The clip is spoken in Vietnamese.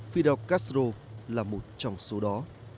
fidel castro là một trong số đó